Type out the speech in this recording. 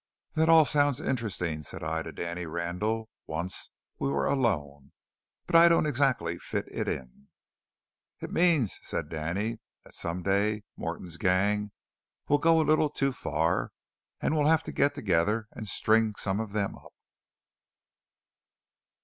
"That all sounds interesting," said I to Danny Randall once we were alone, "but I don't exactly fit it in." "It means," said Danny, "that some day Morton's gang will go a little too far, and we'll have to get together and string some of them up."